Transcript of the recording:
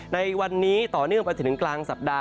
ในวันนี้ต่อเนื่องไปถึงกลางสัปดาห